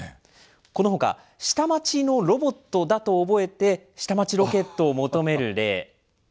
このほか、下町のロボットだと覚えて、下町ロケットを求める例。